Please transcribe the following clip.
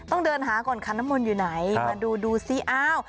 ต้องเดินหาก่อนคันน้ำมนต์อยู่ไหนมาดูดูซิอ้าว